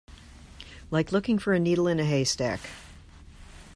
Like looking for a needle in a haystack.